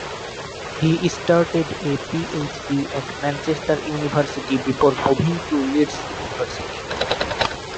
He started a PhD at Manchester University before moving to Leeds University.